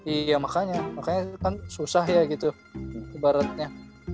iya makanya makanya kan susah ya gitu ibaratnya